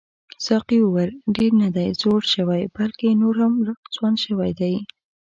ساقي وویل ډېر نه دی زوړ شوی بلکې نور هم ځوان شوی دی.